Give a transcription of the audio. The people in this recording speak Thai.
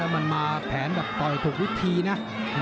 มันมาแผนแบบต่อยถูกวิธีนะ